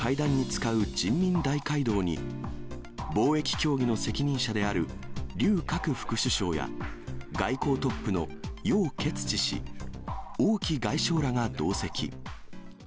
中国側も要人との会談に使う人民大会堂に貿易協議の責任者である劉鶴副首相や、外交トップの楊潔ち氏、王毅外相らが同席。